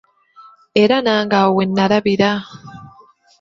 Era nange awo wennalabira.